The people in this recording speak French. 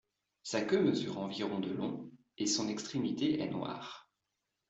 Sa queue mesure environ de long et son extrémité est noire.